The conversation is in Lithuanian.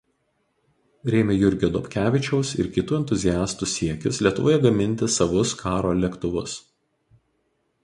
Rėmė Jurgio Dobkevičiaus ir kitų entuziastų siekius Lietuvoje gaminti savus karo lėktuvus.